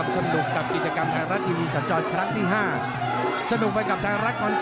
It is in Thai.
สวัสดีค่ะมากัน